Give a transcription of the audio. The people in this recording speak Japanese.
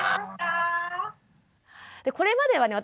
これまではね